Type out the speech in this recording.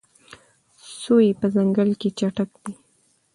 سوی په ځنګل کې چټک دی.